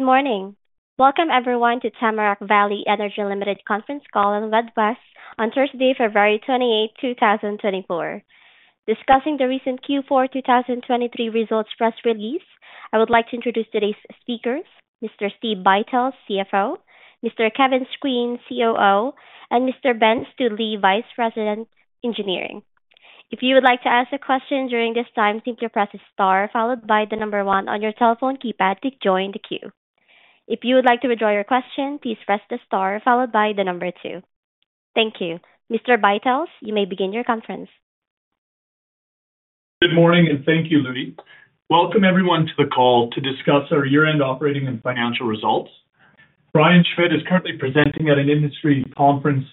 Good morning. Welcome, everyone, to Tamarack Valley Energy Limited conference call and webcast on Thursday, February 28, 2024. Discussing the recent Q4 2023 results press release, I would like to introduce today's speakers, Mr. Steve Buytels, CFO, Mr. Kevin Screen, COO, and Mr. Ben Stoodley, Vice President, Engineering. If you would like to ask a question during this time, simply press star followed by the number one on your telephone keypad to join the queue. If you would like to withdraw your question, please press the star followed by the number two. Thank you. Mr. Buytels, you may begin your conference. Good morning, and thank you, Rudy. Welcome everyone to the call to discuss our year-end operating and financial results. Brian Schmidt is currently presenting at an industry conference.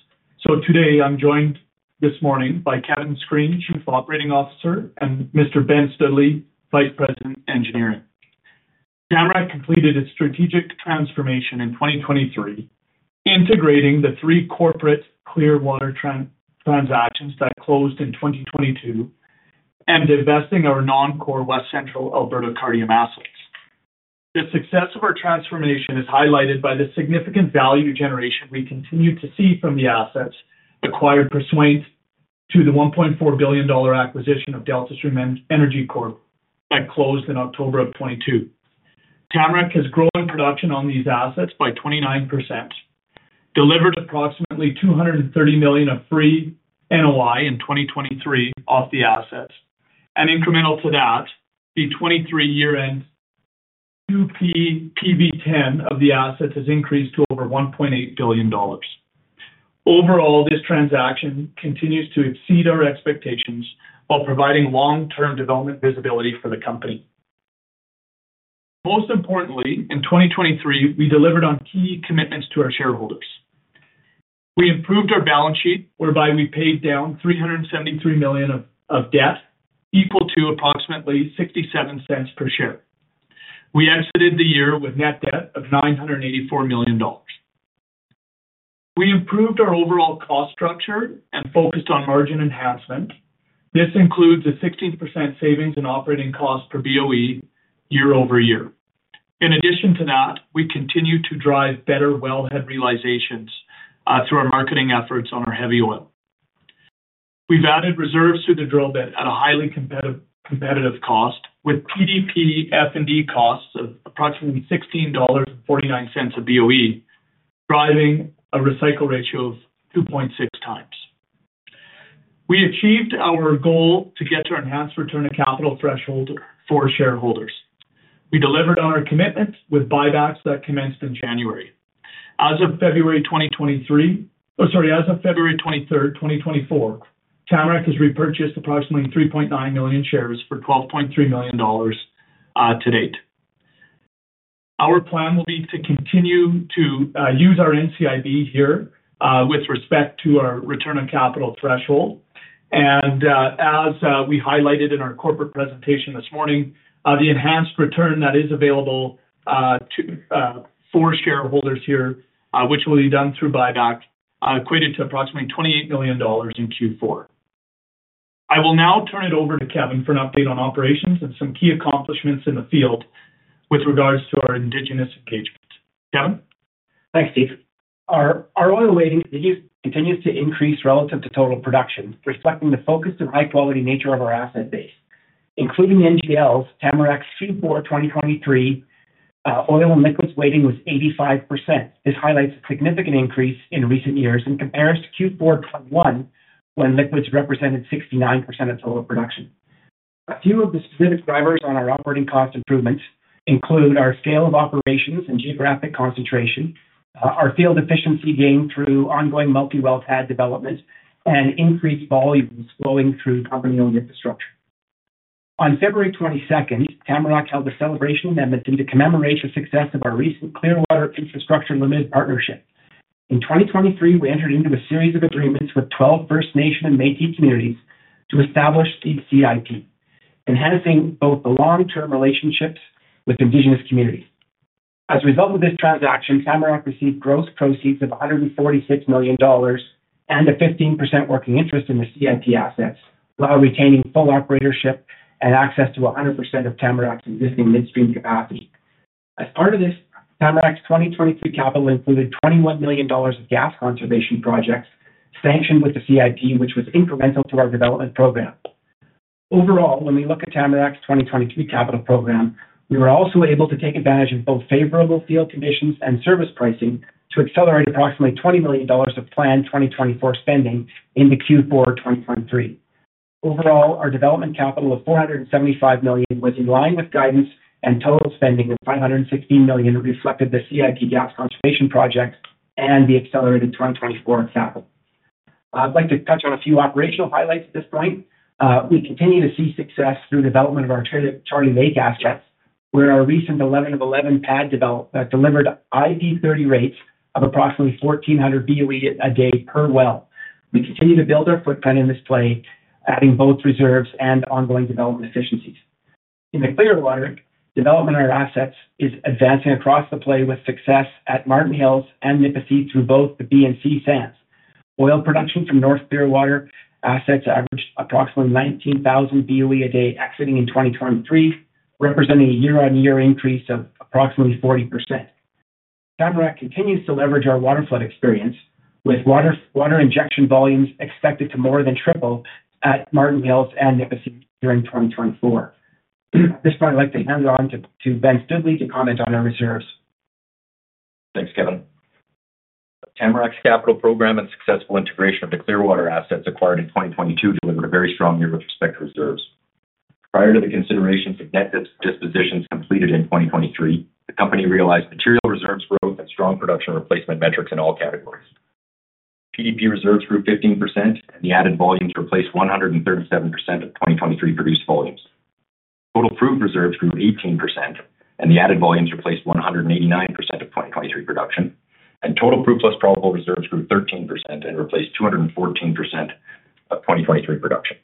Today, I'm joined this morning by Kevin Screen, Chief Operating Officer, and Mr. Ben Stoodley, Vice President, Engineering. Tamarack completed its strategic transformation in 2023, integrating the three corporate Clearwater transactions that closed in 2022, and divesting our non-core West Central Alberta Cardium assets. The success of our transformation is highlighted by the significant value generation we continue to see from the assets acquired pursuant to the 1.4 billion dollar acquisition of Deltastream Energy Corp that closed in October of 2022. Tamarack has grown production on these assets by 29%, delivered approximately 230 million of free NOI in 2023 off the assets, and incremental to that, the 2023 year-end 2P PV10 of the assets has increased to over 1.8 billion dollars. Overall, this transaction continues to exceed our expectations while providing long-term development visibility for the company. Most importantly, in 2023, we delivered on key commitments to our shareholders. We improved our balance sheet, whereby we paid down 373 million of debt, equal to approximately 0.67 per share. We exited the year with net debt of 984 million dollars. We improved our overall cost structure and focused on margin enhancement. This includes a 16% savings in operating costs per BOE year-over-year. In addition to that, we continue to drive better wellhead realizations through our marketing efforts on our heavy oil. We've added reserves to the drill bit at a highly competitive, competitive cost, with PDP F&D costs of approximately 16.49 dollars/BOE, driving a recycle ratio of 2.6 x. We achieved our goal to get to our enhanced return of capital threshold for shareholders. We delivered on our commitments with buybacks that commenced in January. As of February 23, 2024, Tamarack has repurchased approximately 3.9 million shares for 12.3 million dollars to date. Our plan will be to continue to use our NCIB here with respect to our return of capital threshold. As we highlighted in our corporate presentation this morning, the enhanced return that is available to for shareholders here, which will be done through buyback, equated to approximately 28 million dollars in Q4. I will now turn it over to Kevin for an update on operations and some key accomplishments in the field with regards to our Indigenous engagement. Kevin? Thanks, Steve. Our oil weighting continues to increase relative to total production, reflecting the focus and high-quality nature of our asset base. Including NGLs, Tamarack's Q4 2023 oil and liquids weighting was 85%. This highlights a significant increase in recent years in comparison to Q4 2021, when liquids represented 69% of total production. A few of the specific drivers on our operating cost improvements include our scale of operations and geographic concentration, our field efficiency gained through ongoing multi-well pad development, and increased volumes flowing through company-owned infrastructure. On February 22nd, Tamarack held a celebration event in the commemoration success of our recent Clearwater Infrastructure Limited Partnership. In 2023, we entered into a series of agreements with 12 First Nation and Métis communities to establish the CIP, enhancing both the long-term relationships with Indigenous communities. As a result of this transaction, Tamarack received gross proceeds of 146 million dollars and a 15% working interest in the CIP assets, while retaining full operatorship and access to 100% of Tamarack's existing midstream capacity. As part of this, Tamarack's 2023 capital included 21 million dollars of gas conservation projects sanctioned with the CIP, which was incremental to our development program. Overall, when we look at Tamarack's 2023 capital program, we were also able to take advantage of both favorable field conditions and service pricing to accelerate approximately 20 million dollars of planned 2024 spending into Q4 2023. Overall, our development capital of 475 million was in line with guidance, and total spending of 516 million reflected the CIP gas conservation project and the accelerated 2024 capital. I'd like to touch on a few operational highlights at this point. We continue to see success through development of our Charlie Lake assets, where our recent 11-11 pad development delivered IP 30 rates of approximately 1,400 BOE a day per well. We continue to build our footprint in this play, adding both reserves and ongoing development efficiencies. In the Clearwater, development of our assets is advancing across the play with success at Marten Hills and Nipisi through both the B and C sands. Oil production from North Clearwater assets averaged approximately 19,000 BOE a day, exiting in 2023, representing a year-on-year increase of approximately 40%. Tamarack continues to leverage our waterflood experience, with water injection volumes expected to more than triple at Marten Hills and Nipisi during 2024. At this point, I'd like to hand it on to Ben Stoodley to comment on our reserves. Thanks, Kevin. Tamarack's capital program and successful integration of the Clearwater assets acquired in 2022 delivered a very strong year with respect to reserves. Prior to the consideration of net dispositions completed in 2023, the company realized material reserves growth and strong production replacement metrics in all categories. PDP reserves grew 15%, and the added volumes replaced 137% of 2023 produced volumes. Total proved reserves grew 18%, and the added volumes replaced 189% of 2023 production. Total proved plus probable reserves grew 13% and replaced 214% of 2023 production.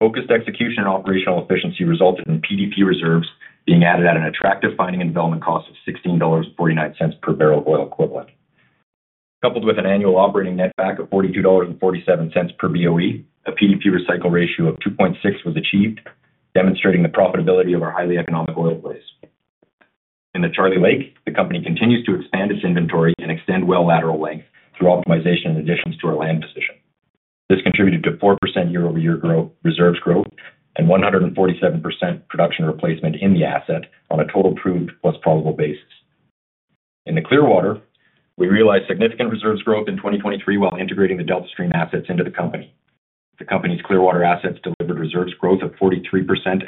Focused execution and operational efficiency resulted in PDP reserves being added at an attractive finding and development cost of 16.49 dollars per barrel of oil equivalent. Coupled with an annual operating netback of 42.47 dollars per BOE, a PDP recycle ratio of 2.6 was achieved, demonstrating the profitability of our highly economic oil play. In the Charlie Lake, the company continues to expand its inventory and extend well lateral length through optimization and additions to our land position. This contributed to 4% year-over-year growth, reserves growth, and 147% production replacement in the asset on a total proved plus probable basis. In the Clearwater, we realized significant reserves growth in 2023 while integrating the Deltastream assets into the company. The company's Clearwater assets delivered reserves growth of 43%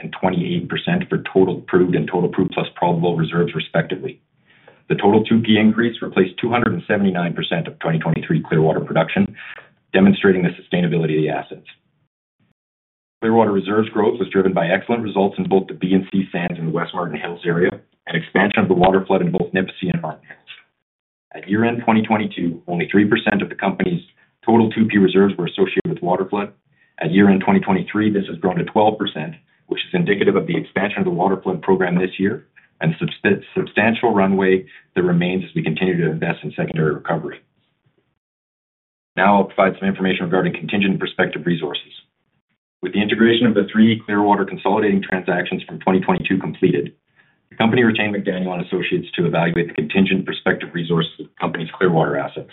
and 28% for total proved and total proved plus probable reserves, respectively. The total 2P increase replaced 279% of 2023 Clearwater production, demonstrating the sustainability of the assets. Clearwater reserves growth was driven by excellent results in both the B and C sands in the West Marten Hills area and expansion of the waterflood in both Nipisi and Marten Hills. At year-end 2022, only 3% of the company's total 2P reserves were associated with waterflood. At year-end 2023, this has grown to 12%, which is indicative of the expansion of the waterflood program this year and substantial runway that remains as we continue to invest in secondary recovery. Now I'll provide some information regarding contingent prospective resources. With the integration of the three Clearwater consolidating transactions from 2022 completed, the company retained McDaniel & Associates to evaluate the contingent prospective resource of the company's Clearwater assets.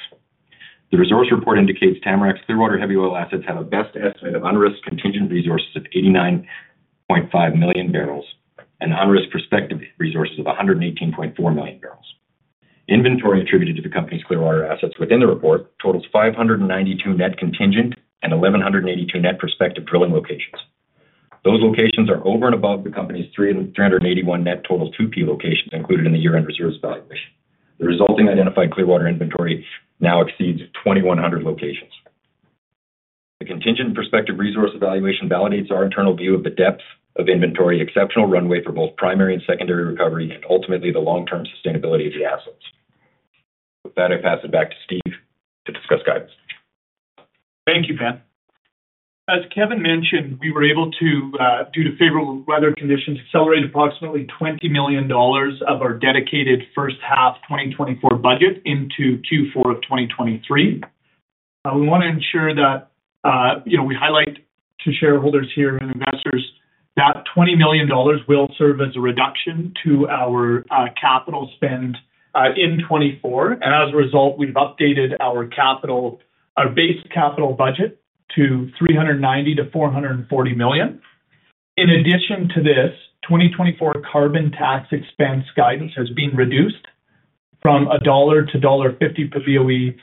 The resource report indicates Tamarack's Clearwater heavy oil assets have a best estimate of unrisked contingent resources of 89.5 million barrels and unrisked prospective resources of 118.4 million barrels. Inventory attributed to the company's Clearwater assets within the report totals 592 net contingent and 1,182 net prospective drilling locations. Those locations are over and above the company's 381 net total 2P locations included in the year-end reserves valuation. The resulting identified Clearwater inventory now exceeds 2,100 locations. The contingent prospective resource evaluation validates our internal view of the depth of inventory, exceptional runway for both primary and secondary recovery, and ultimately, the long-term sustainability of the assets. With that, I pass it back to Steve to discuss guidance. Thank you, Ben. As Kevin mentioned, we were able to, due to favorable weather conditions, accelerate approximately 20 million dollars of our dedicated first half 2024 budget into Q4 of 2023. We wanna ensure that, you know, we highlight to shareholders here and investors that 20 million dollars will serve as a reduction to our, capital spend, in 2024. And as a result, we've updated our capital, our base capital budget to 390 million-440 million. In addition to this, 2024 carbon tax expense guidance has been reduced from 1-1.50 dollar per BOE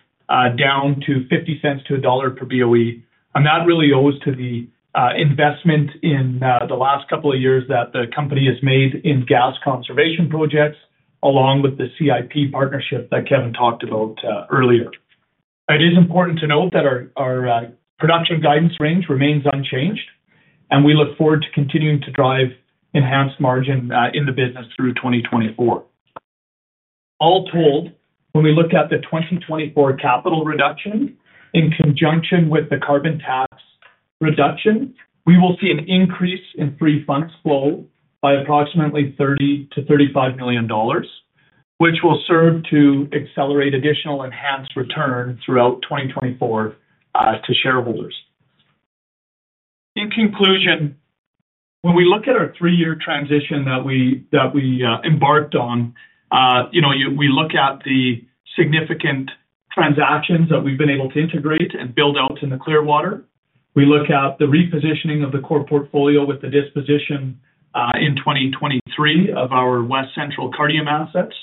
down to 0.50-1 dollar per BOE, and that really owes to the investment in the last couple of years that the company has made in gas conservation projects, along with the CIP partnership that Kevin talked about earlier. It is important to note that our production guidance range remains unchanged, and we look forward to continuing to drive enhanced margin in the business through 2024. All told, when we look at the 2024 capital reduction in conjunction with the carbon tax reduction, we will see an increase in free funds flow by approximately 30 million-35 million dollars, which will serve to accelerate additional enhanced return throughout 2024 to shareholders. In conclusion, when we look at our three-year transition that we embarked on, you know, we look at the significant transactions that we've been able to integrate and build out in the Clearwater. We look at the repositioning of the core portfolio with the disposition in 2023 of our West Central Cardium assets.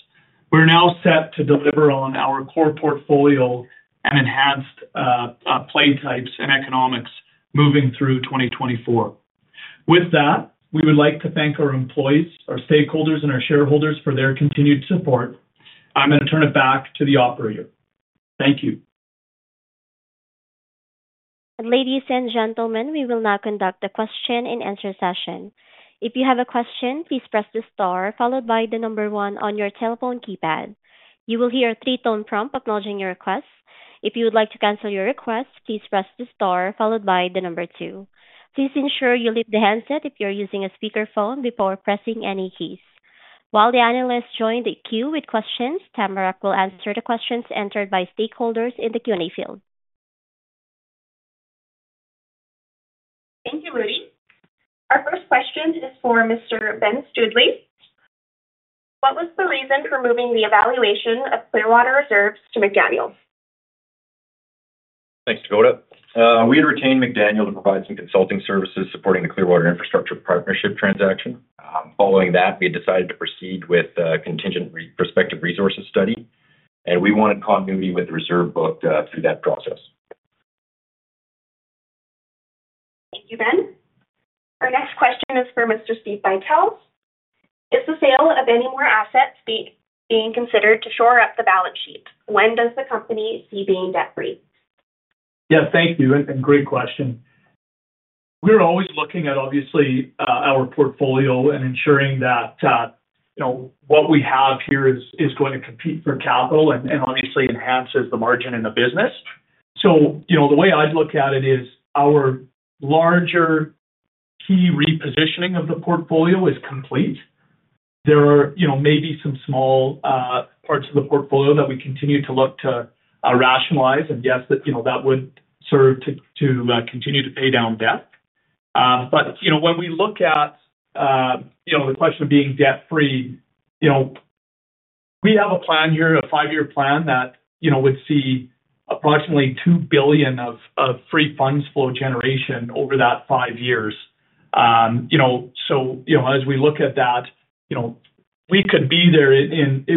We're now set to deliver on our core portfolio and enhanced play types and economics moving through 2024. With that, we would like to thank our employees, our stakeholders, and our shareholders for their continued support. I'm gonna turn it back to the operator. Thank you. Ladies and gentlemen, we will now conduct a question and answer session. If you have a question, please press the star followed by the number one on your telephone keypad. You will hear a three-tone prompt acknowledging your request. If you would like to cancel your request, please press the star followed by the number two. Please ensure you leave the handset if you're using a speakerphone before pressing any keys. While the analysts join the queue with questions, Tamarack will answer the questions entered by stakeholders in the Q&A field. Thank you, Rudy. Our first question is for Mr. Ben Stoodley. What was the reason for moving the evaluation of Clearwater Reserves to McDaniel? Thanks, Dakota. We had retained McDaniel to provide some consulting services supporting the Clearwater Infrastructure Partnership transaction. Following that, we had decided to proceed with contingent and prospective resources study, and we wanted continuity with the reserve book through that process. Thank you, Ben. Our next question is for Mr. Steve Buytels. Is the sale of any more assets being considered to shore up the balance sheet? When does the company see being debt-free? Yeah, thank you, and great question. We're always looking at obviously our portfolio and ensuring that, you know, what we have here is going to compete for capital and obviously enhances the margin in the business. So, you know, the way I'd look at it is our larger key repositioning of the portfolio is complete. There are, you know, maybe some small parts of the portfolio that we continue to look to rationalize, and yes, that, you know, that would serve to continue to pay down debt. But, you know, when we look at, you know, the question of being debt-free, you know, we have a plan here, a five-year plan that, you know, would see approximately 2 billion of free funds flow generation over that five years. You know, so, you know, as we look at that, you know, we could be there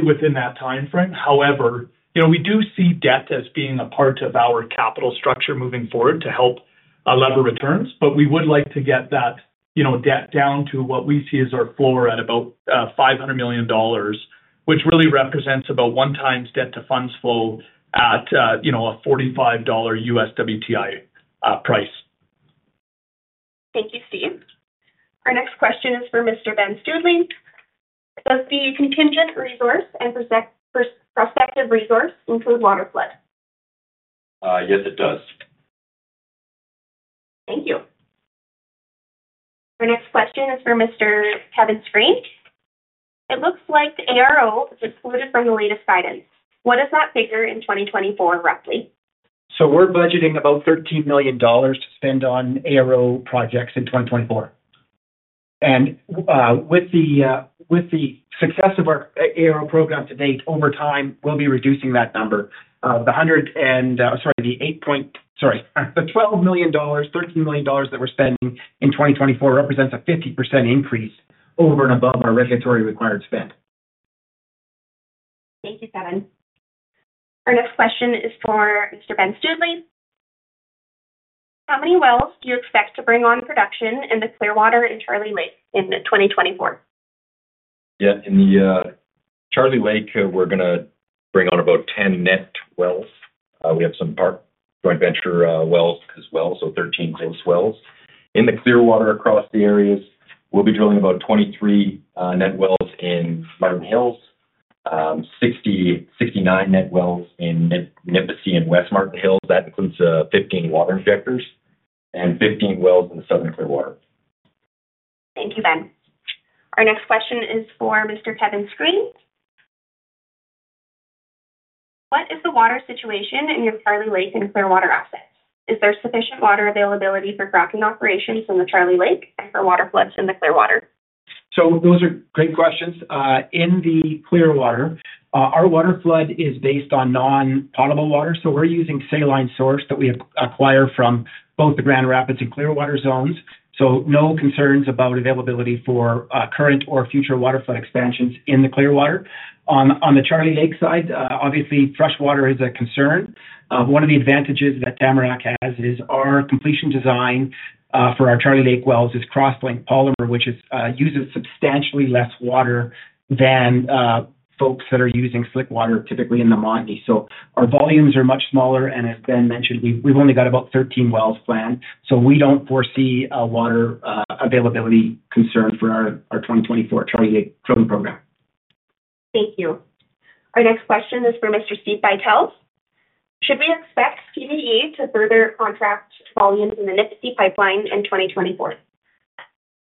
within that timeframe. However, you know, we do see debt as being a part of our capital structure moving forward to help leverage returns, but we would like to get that, you know, debt down to what we see as our floor at about 500 million dollars, which really represents about 1x debt to funds flow at, you know, a $45 USD WTI price. Thank you, Steve. Our next question is for Mr. Ben Stoodley. Does the contingent resource and prospective resource include waterflood? Yes, it does. Thank you. Our next question is for Mr. Kevin Screen. It looks like the ARO is excluded from the latest guidance. What is that figure in 2024, roughly? So we're budgeting about 13 million dollars to spend on ARO projects in 2024. And, with the success of our ARO program to date, over time, we'll be reducing that number. Sorry, the 12 million dollars, 13 million dollars that we're spending in 2024 represents a 50% increase over and above our regulatory required spend. Thank you, Kevin. Our next question is for Mr. Ben Stoodley. How many wells do you expect to bring on production in the Clearwater and Charlie Lake in 2024? Yeah, in the Charlie Lake, we're gonna bring on about 10 net wells. We have some part joint venture wells as well, so 13 gross wells. In the Clearwater, across the areas, we'll be drilling about 23 net wells in Marten Hills, 69 net wells in Nipisi and West Marten Hills. That includes 15 water injectors and 15 wells in the Southern Clearwater. Thank you, Ben. Our next question is for Mr. Kevin Screen. What is the water situation in your Charlie Lake and Clearwater assets? Is there sufficient water availability for fracking operations in the Charlie Lake and for waterfloods in the Clearwater? So those are great questions. In the Clearwater, our waterflood is based on non-potable water, so we're using saline source that we acquire from both the Grand Rapids and Clearwater zones. So no concerns about availability for current or future waterflood expansions in the Clearwater. On the Charlie Lake side, obviously, freshwater is a concern. One of the advantages that Tamarack has is our completion design for our Charlie Lake wells is crosslink polymer, which is uses substantially less water than folks that are using slickwater, typically in the Montney. So our volumes are much smaller, and as Ben mentioned, we've only got about 13 wells planned, so we don't foresee a water availability concern for our 2024 Charlie Lake drilling program. Thank you. Our next question is for Mr. Steve Buytels. Should we expect TVE to further contract volumes in the Nipisi pipeline in 2024?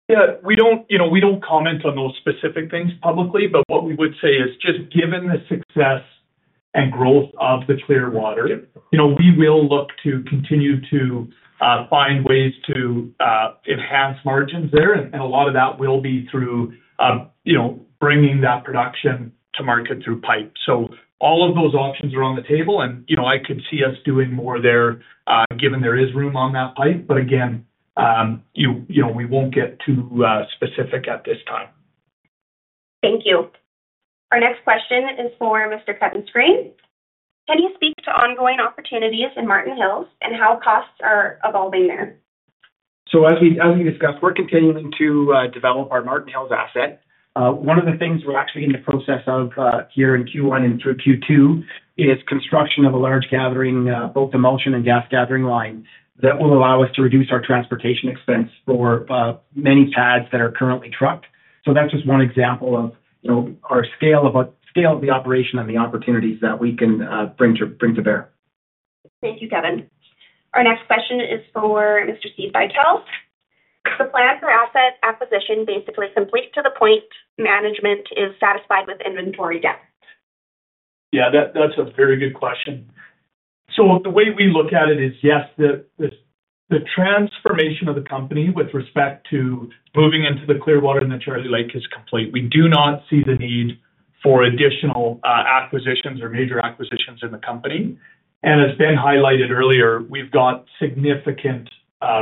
Yeah, we don't, you know, we don't comment on those specific things publicly, but what we would say is just given the success and growth of the Clearwater, you know, we will look to continue to find ways to enhance margins there, and a lot of that will be through, you know, bringing that production to market through pipe. So all of those options are on the table, and, you know, I could see us doing more there, given there is room on that pipe. But again, you know, we won't get too specific at this time. Thank you. Our next question is for Mr. Kevin Screen. Can you speak to ongoing opportunities in Marten Hills and how costs are evolving there? So as we, as we discussed, we're continuing to develop our Marten Hills asset. One of the things we're actually in the process of here in Q1 and through Q2 is construction of a large gathering both emulsion and gas gathering line that will allow us to reduce our transportation expense for many pads that are currently trucked. So that's just one example of, you know, our scale of the operation and the opportunities that we can bring to bear. Thank you, Kevin. Our next question is for Mr. Steve Buytels. The plan for asset acquisition basically complete to the point management is satisfied with inventory depth? Yeah, that, that's a very good question. So the way we look at it is, yes, the transformation of the company with respect to moving into the Clearwater and the Charlie Lake is complete. We do not see the need for additional acquisitions or major acquisitions in the company. And as Ben highlighted earlier, we've got significant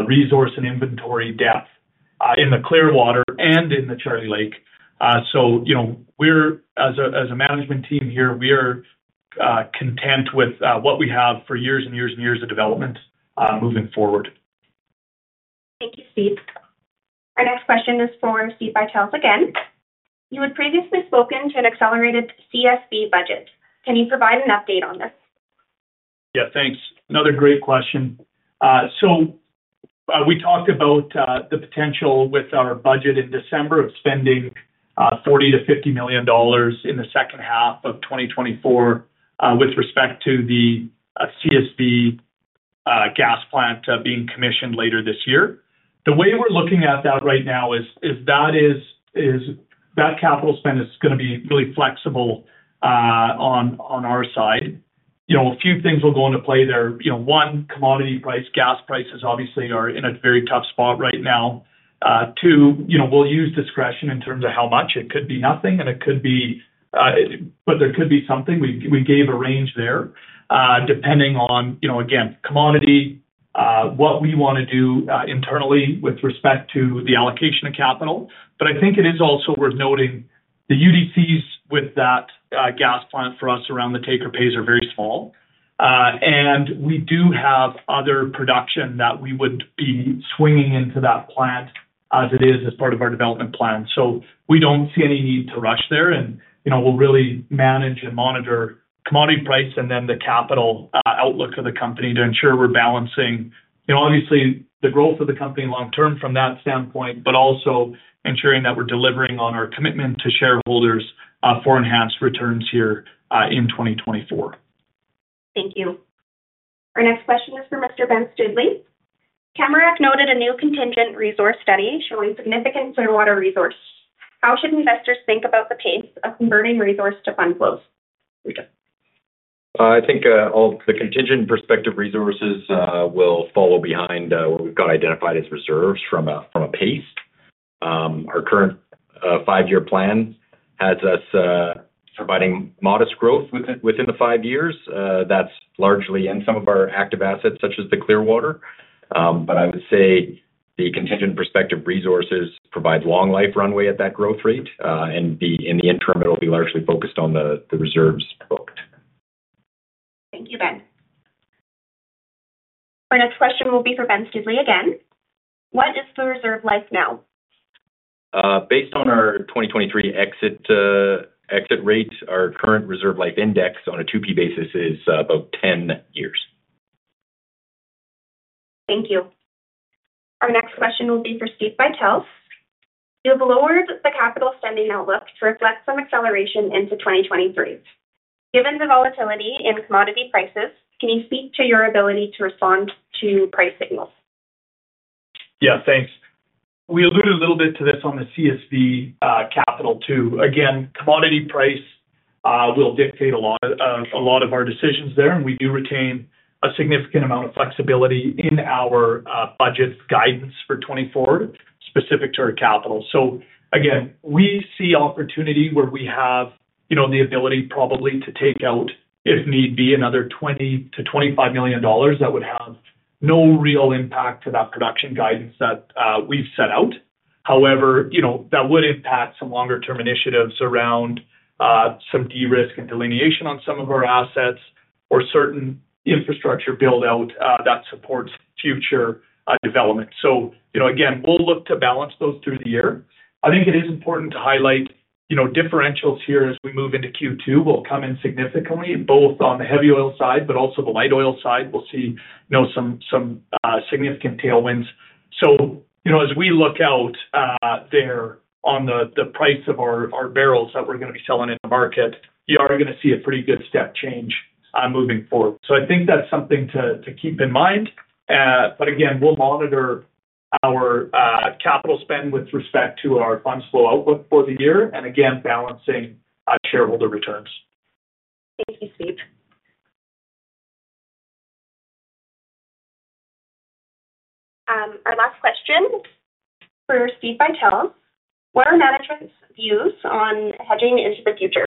resource and inventory depth in the Clearwater and in the Charlie Lake. So you know, we're as a management team here, we are content with what we have for years and years and years of development moving forward. Thank you, Steve. Our next question is for Steve Buytels again. You had previously spoken to an accelerated CSV budget. Can you provide an update on this? Yeah, thanks. Another great question. So, we talked about the potential with our budget in December of spending 40 million-50 million dollars in the second half of 2024 with respect to the CSV gas plant being commissioned later this year. The way we're looking at that right now is that that capital spend is gonna be really flexible on our side. You know, a few things will go into play there. You know, one, commodity price. Gas prices obviously are in a very tough spot right now. Two, you know, we'll use discretion in terms of how much. It could be nothing, and it could be, but there could be something. We gave a range there, depending on, you know, again, commodity, what we wanna do, internally with respect to the allocation of capital. But I think it is also worth noting the UDCs with that gas plant for us around the take or pays are very small. And we do have other production that we would be swinging into that plant as it is, as part of our development plan. So we don't see any need to rush there, and, you know, we'll really manage and monitor commodity price and then the capital, outlook of the company to ensure we're balancing, you know, obviously the growth of the company long term from that standpoint, but also ensuring that we're delivering on our commitment to shareholders, for enhanced returns here, in 2024. Thank you. Our next question is for Mr. Ben Stoodley. Tamarack noted a new contingent resource study showing significant Clearwater resources. How should investors think about the pace of converting resource to fund flows? I think all the contingent prospective resources will follow behind what we've got identified as reserves from a pace. Our current five-year plan has us providing modest growth within the five years. That's largely in some of our active assets, such as the Clearwater. But I would say the contingent prospective resources provide long life runway at that growth rate, and in the interim, it'll be largely focused on the reserves booked. Thank you, Ben. Our next question will be for Ben Stoodley again. What is the reserve life now? Based on our 2023 exit rate, our current reserve life index on a 2P basis is about 10 years. Thank you. Our next question will be for Steve Buytels. You've lowered the capital spending outlook to reflect some acceleration into 2023. Given the volatility in commodity prices, can you speak to your ability to respond to price signals? Yeah, thanks. We alluded a little bit to this on the CSV capital too. Again, commodity price will dictate a lot, a lot of our decisions there, and we do retain a significant amount of flexibility in our budget's guidance for 2024, specific to our capital. So again, we see opportunity where we have, you know, the ability probably to take out, if need be, another 20 million-25 million dollars, that would have no real impact to that production guidance that we've set out. However, you know, that would impact some longer term initiatives around some de-risk and delineation on some of our assets or certain infrastructure build out that supports future development. So, you know, again, we'll look to balance those through the year. I think it is important to highlight, you know, differentials here as we move into Q2 will come in significantly, both on the heavy oil side, but also the light oil side. We'll see, you know, some significant tailwinds. So, you know, as we look out there on the price of our barrels that we're gonna be selling in the market, you are gonna see a pretty good step change moving forward. So I think that's something to keep in mind. But again, we'll monitor our capital spend with respect to our funds flow outlook for the year, and again, balancing our shareholder returns. Thank you, Steve. Our last question, for Steve Buytels. What are management's views on hedging into the future?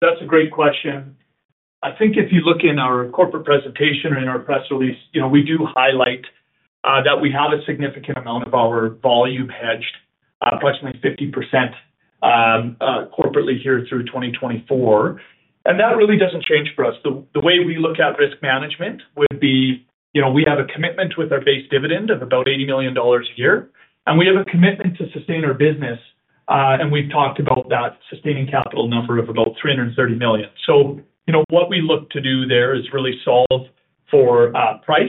That's a great question. I think if you look in our corporate presentation or in our press release, you know, we do highlight that we have a significant amount of our volume hedged, approximately 50%, corporately here through 2024, and that really doesn't change for us. The way we look at risk management would be, you know, we have a commitment with our base dividend of about 80 million dollars a year, and we have a commitment to sustain our business, and we've talked about that sustaining capital number of about 330 million. So, you know, what we look to do there is really solve for price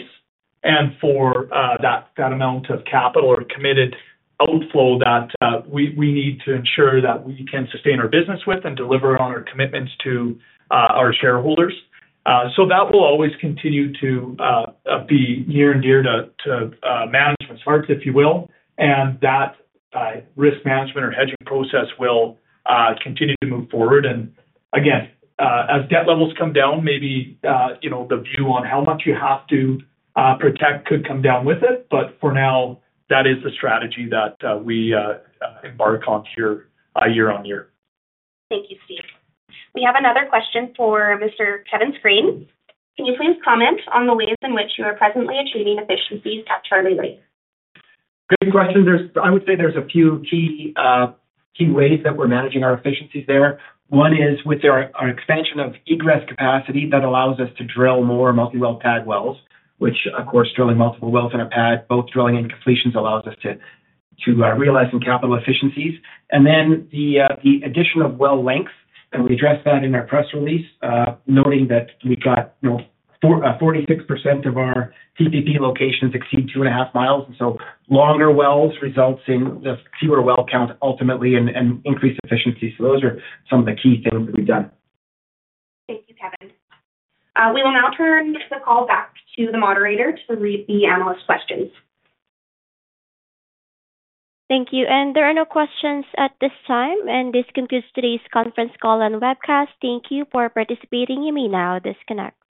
and for that amount of capital or committed outflow that we need to ensure that we can sustain our business with and deliver on our commitments to our shareholders. So that will always continue to be near and dear to management's hearts, if you will, and that risk management or hedging process will continue to move forward. And again, as debt levels come down, maybe, you know, the view on how much you have to protect could come down with it. But for now, that is the strategy that we embark on here year-on-year. Thank you, Steve. We have another question for Mr. Kevin Screen. Can you please comment on the ways in which you are presently achieving efficiencies at Charlie Lake? Great question. I would say there's a few key ways that we're managing our efficiencies there. One is with our expansion of egress capacity that allows us to drill more multi-well pad wells, which of course, drilling multiple wells in a pad, both drilling and completions, allows us to realize some capital efficiencies. And then the addition of well length, and we addressed that in our press release, noting that we got, you know, 46% of our PPP locations exceed two and a half miles, and so longer wells results in just fewer well count ultimately and increased efficiency. So those are some of the key things that we've done. Thank you, Kevin. We will now turn the call back to the moderator to read the analyst questions. Thank you, and there are no questions at this time, and this concludes today's conference call and webcast. Thank you for participating. You may now disconnect.